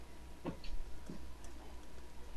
其后官至上士。